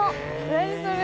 何それ。